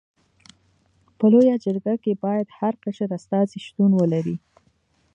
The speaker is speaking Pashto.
په لويه جرګه کي باید هر قشر استازي شتون ولري.